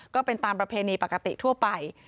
ก็เป็นตามประเพณีปกติทั่วไป